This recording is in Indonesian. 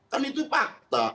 kan itu fakta